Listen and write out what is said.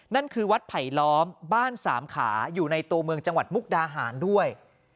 นั่นคือวัดไผลล้อมบ้านสามขาอยู่ในตัวเมืองจังหวัดมุกดาหารด้วย